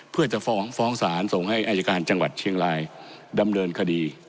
เพื่อจะฟ้องฟ้องศาลส่งให้อายการจังหวัดเชียงรายดำเนินคดี